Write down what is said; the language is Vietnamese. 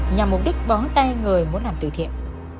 nhằm mục đích bón tay người muốn làm từ thiện